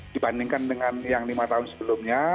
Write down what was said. dibandingkan dengan yang lima tahun sebelumnya